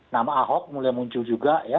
nama ahok mulai muncul juga ya